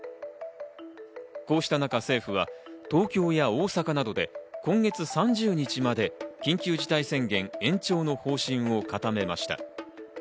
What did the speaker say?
こうした中、政府は東京や大阪などで今月３０日まで緊急事態宣言延長の方針を固めました。